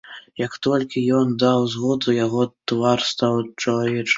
Як толькі ён даў згоду, яго твар стаў чалавечым.